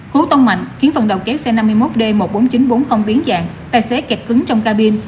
hú tông mạnh khiến phần đầu kéo xe năm mươi một d một mươi bốn nghìn chín trăm bốn mươi biến dạng tài xế kẹt cứng trong cabin